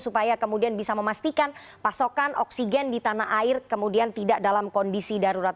supaya kemudian bisa memastikan pasokan oksigen di tanah air kemudian tidak dalam kondisi darurat